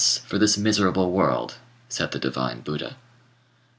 for this miserable world!' said the divine Buddha."